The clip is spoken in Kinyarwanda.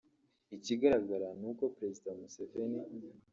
Ikigaragara ni uko Perezida Museveni